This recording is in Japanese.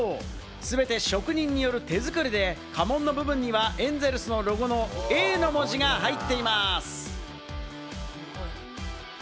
全て職人による手作りで家紋の部分にはエンゼルスのロゴの「Ａ」の文字が入っています。